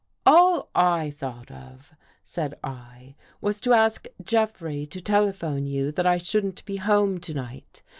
" All I thought of," said I, " was to ask Jeffrey to telephone you that I shouldn't be home to night.